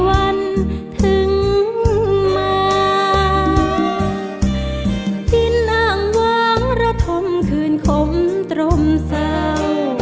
วันถึงมาดินอ่างว้างระธมคืนขมตรมเซา